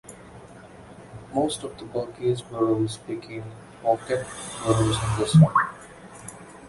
Most of the burgage boroughs became pocket boroughs in this way.